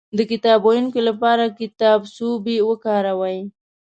د کتاب ويونکي لپاره کتابڅوبی وکاروئ